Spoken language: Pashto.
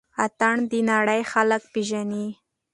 اتڼ د نړۍ خلک پيژني